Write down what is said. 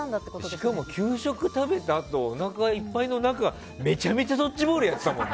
しかも給食食べておなかいっぱいの中めちゃめちゃドッジボールやってたもんね。